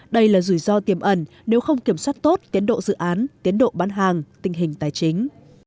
đây là rủi ro tiềm ẩn nếu không kiểm soát tốt tiến độ dự án tiến độ bán hàng tình hình tài chính